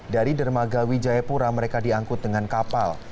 dari dermaga wijayapura mereka diangkut dengan kapal